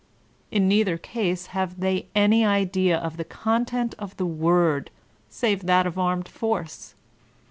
In neither case have they any idea of the con tent of the word, save that of armed force.